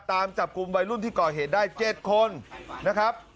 ตามจับกลุ่มวัยรุ่นที่ก่อเหตุได้๗คนนะครับ